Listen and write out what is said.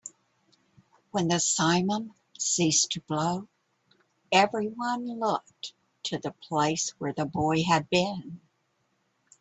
When the simum ceased to blow, everyone looked to the place where the boy had been.